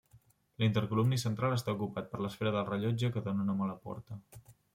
L'intercolumni central està ocupat per l'esfera del rellotge que dóna nom a la porta.